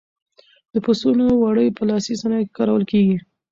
د پسونو وړۍ په لاسي صنایعو کې کارول کېږي.